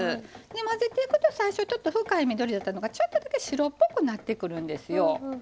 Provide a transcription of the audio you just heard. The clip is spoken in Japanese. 混ぜていくと最初深い緑だったのがちょっとだけ白っぽくなってくるんですよ。